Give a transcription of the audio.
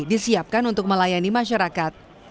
disiapkan untuk melayani masyarakat